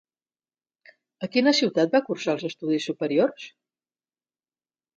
A quina ciutat va cursar els estudis superiors?